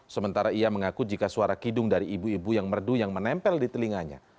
sementara ia mengaku jika suara kidung dari ibu ibu yang merdu yang menempel di telinganya